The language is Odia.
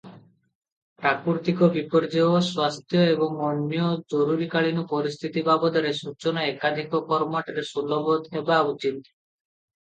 ପ୍ରାକୃତିକ ବିପର୍ଯ୍ୟୟ, ସ୍ୱାସ୍ଥ୍ୟ ଏବଂ ଅନ୍ୟ ଜରୁରୀକାଳୀନ ପରିସ୍ଥିତି ବାବଦରେ ସୂଚନା ଏକାଧିକ ଫର୍ମାଟରେ ସୁଲଭ ହେବା ଉଚିତ ।